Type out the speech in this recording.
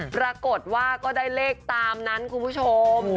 ปรากฏว่าก็ได้เลขตามนั้นคุณผู้ชม